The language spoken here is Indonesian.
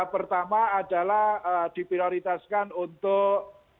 pertama adalah diprioritaskan untuk